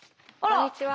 こんにちは。